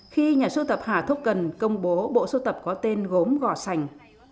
khi nhà sưu tập hà thúc cần công bố bộ sưu tập có tên gốm gò sành